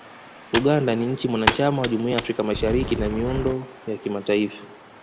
Uganda ni nchi mwanachama wa Jumuiya ya Afrika ya Mashariki na miundo ya kimataifa